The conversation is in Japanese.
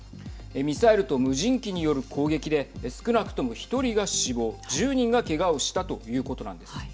ミサイルと無人機による攻撃で少なくとも１人が死亡１０人がけがをしたということなんです。